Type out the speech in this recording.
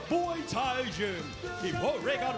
เบซอเดนโวรีอร์